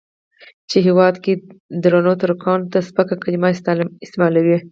چې هېواد کې درنو ترکانو ته سپکه کليمه استعمالوي.